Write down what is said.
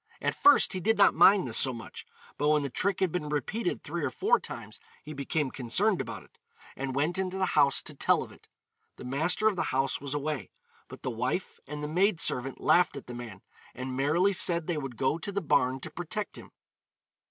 At first he did not mind this so much, but when the trick had been repeated three or four times he became concerned about it, and went into the house to tell of it. The master of the house was away, but the wife and the maid servant laughed at the man, and merrily said they would go to the barn to protect him.